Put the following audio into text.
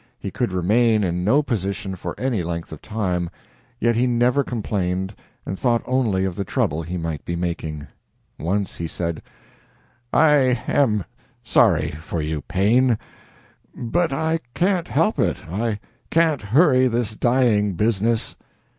He could remain in no position for any length of time. Yet he never complained and thought only of the trouble he might be making. Once he said: "I am sorry for you, Paine, but I can't help it I can't hurry this dying business."